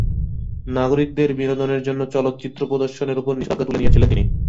নাগরিকদের বিনোদনের জন্য চলচ্চিত্র প্রদর্শনীর ওপর থেকে নিষেধাজ্ঞা তুলে নিয়েছেন তিনি।